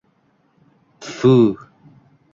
— T-fu-u-u!